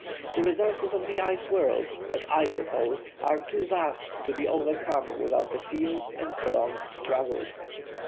The resources of the ice world, at either pole, are too vast to be overcome without a fierce and prolonged struggle.